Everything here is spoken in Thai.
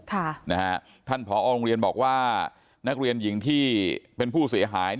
ท่านผอโรงเรียนบอกว่านักเรียนหญิงที่เป็นผู้เสียหาย